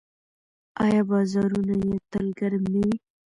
آیا بازارونه یې تل ګرم نه وي؟